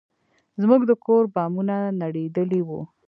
زموږ د کور بامونه نړېدلي وو.